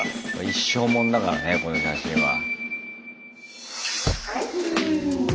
一生もんだからねこの写真は。